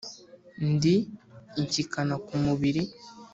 ndi inshyikana ku mubiri